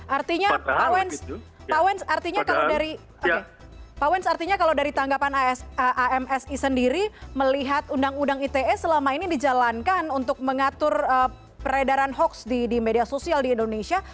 artinya pak wenz artinya kalau dari tanggapan amsi sendiri melihat undang undang ite selama ini dijalankan untuk mengatur peredaran hoax di media sosial di indonesia